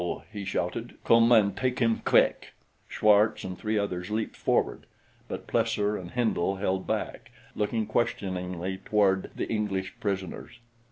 he shouted. "Come and take him, quick!" Schwartz and three others leaped forward; but Plesser and Hindle held back, looking questioningly toward the English prisoners.